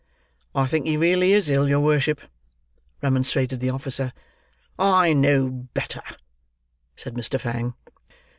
"I think he really is ill, your worship," remonstrated the officer. "I know better," said Mr. Fang.